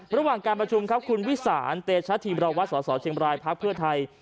ระหว่างการประชุมครับคุณวิสานเตชะทีมรวัตรสสเชียงบรายพักเพื่อไทย